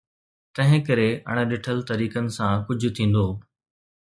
تنهنڪري اڻ ڏٺل طريقن سان ڪجهه ٿيندو.